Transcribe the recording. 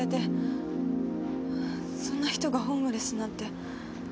そんな人がホームレスなんて。